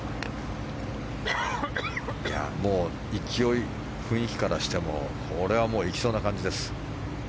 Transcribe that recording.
もう雰囲気からしてもこれはもういきそうな感じです。